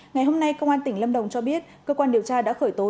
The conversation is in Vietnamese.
ngày hôm nay công an tỉnh lâm đồng cho biết cơ quan điều tra đã khởi tố đối tượng